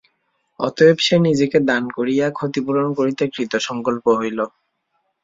অতএব সে নিজেকে দান করিয়া ক্ষতিপূরণ করিতে কৃতসঙ্কল্প হইল।